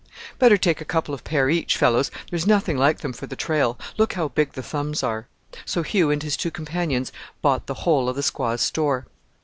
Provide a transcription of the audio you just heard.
"Better take a couple of pair each, fellows; there's nothing like them for the trail: look how big the thumbs are." So Hugh and his two companions bought the whole of the squaw's store.